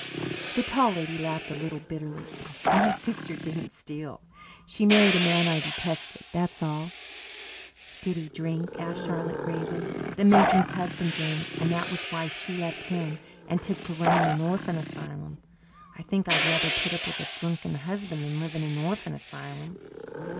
The Tall Lady laughed a little bitterly. "My sister didn't steal. She married a man I detested, that's all." "Did he drink?" asked Charlotte gravely. "The matron's husband drank and that was why she left him and took to running an orphan asylum. I think I'd rather put up with a drunken husband than live in an orphan asylum."